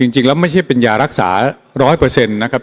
จริงแล้วไม่ใช่เป็นยารักษาร้อยเปอร์เซ็นต์นะครับ